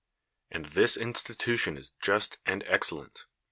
x\nd thi»i institution is just and excellent.